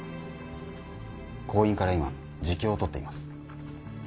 行員から今自供を取っています。